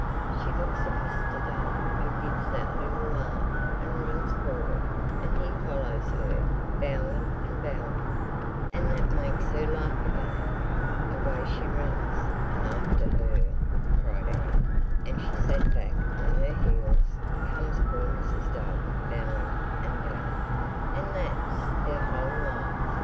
She looks at Mr. Dove and gives that little laugh and runs forward, and he follows her, bowing and bowing. And that makes her laugh again. Away she runs, and after her," cried Anne, and she sat back on her heels, "comes poor Mr. Dove, bowing and bowing... and that's their whole life.